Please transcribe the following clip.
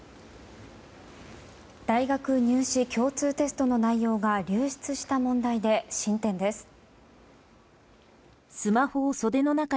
大学入試共通テストの内容が流出した問題で進展です。